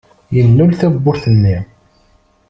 Yennul tawwurt-nni.